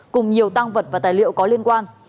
cùng nhiều tăng vật và tài liệu có liên quan